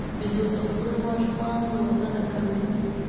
بیزو د خپلو ماشومانو روزنه کوي.